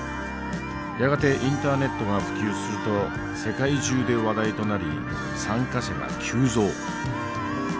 やがてインターネットが普及すると世界中で話題となり参加者が急増。